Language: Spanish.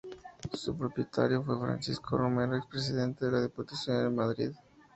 Su propietario fue Francisco Romero, expresidente de la Diputación de Madrid.